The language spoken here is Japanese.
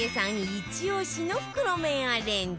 イチ押しの袋麺アレンジ